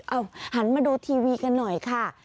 เอาหันมาดูทีวีกันหน่อยค่ะ